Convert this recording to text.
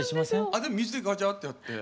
あっでも水でガジャーってやって。